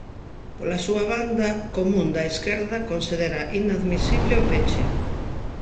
Pola súa banda, Común da Esquerda considera "inadmisible" o peche.